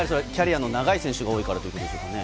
キャリアの長い選手が多いからですか？